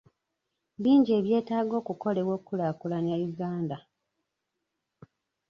Bingi ebyetaaga okukolebwa okulaakulanya Uganda.